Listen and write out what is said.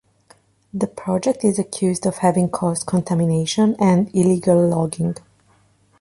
The project is accused of having caused contamination and illegal logging.